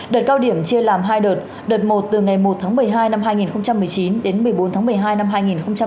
đợt cao điểm chia làm hai đợt đợt một từ ngày một tháng một mươi hai năm hai nghìn một mươi chín đến một mươi bốn tháng một mươi hai năm hai nghìn hai mươi